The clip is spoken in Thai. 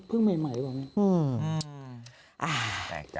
หรือเพิ่งใหม่หรือเปล่า